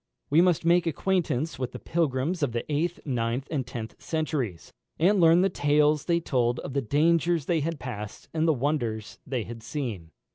We must make acquaintance with the pilgrims of the eighth, ninth, and tenth centuries, and learn the tales they told of the dangers they had passed and the wonders they had seen.